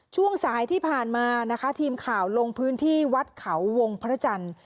ช่วงสายที่ผ่านมานะคะทีมข่าวลงพื้นที่วัดเขาวงพระจันทร์